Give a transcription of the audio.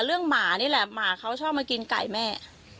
หมานี่แหละหมาเขาชอบมากินไก่แม่